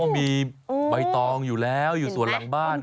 มีใบตองอยู่แล้วอยู่ส่วนหลังบ้าน